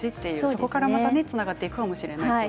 そこからつながっていくかもしれないと。